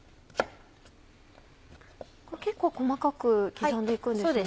結構細かく刻んで行くんですね。